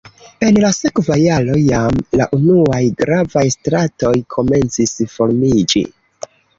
En la sekva jaro jam la unuaj gravaj stratoj komencis formiĝi.